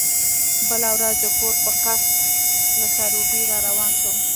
بله ورځ د کور په قصد له سروبي را روان شوم.